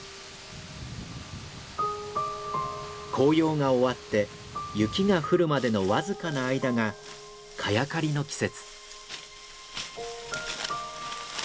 紅葉が終わって雪が降るまでのわずかな間がカヤ刈りの季節。